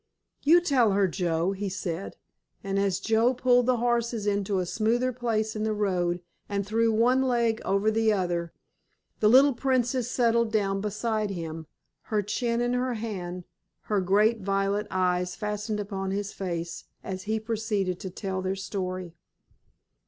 "You tell her, Joe," he said. And as Joe pulled the horses into a smoother place in the road and threw one leg over the other, the little Princess settled down beside him, her chin in her hand, her great violet eyes fastened upon his face, as he proceeded to tell their story.